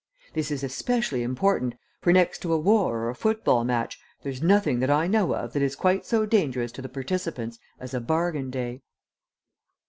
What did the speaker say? This is especially important, for next to a war or a football match there's nothing that I know of that is quite so dangerous to the participants as a bargain day."